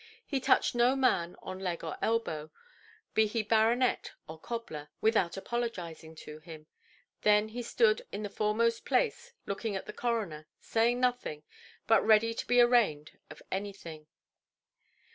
He touched no man on leg or elbow, be he baronet or cobbler, without apologizing to him. Then he stood in the foremost place, looking at the coroner, saying nothing, but ready to be arraigned of anything.